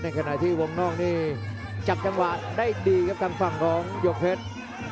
ขณะที่วงนอกนี่จับจังหวะได้ดีครับทางฝั่งของหยกเพชร